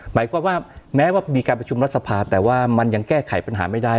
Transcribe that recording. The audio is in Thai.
หมายความว่าแม้ว่ามีการประชุมรัฐสภาแต่ว่ามันยังแก้ไขปัญหาไม่ได้